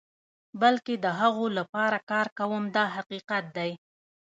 بلکې د هغو لپاره کار کوم دا حقیقت دی.